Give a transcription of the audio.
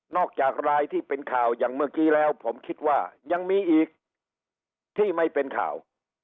จากรายที่เป็นข่าวอย่างเมื่อกี้แล้วผมคิดว่ายังมีอีกที่ไม่เป็นข่าว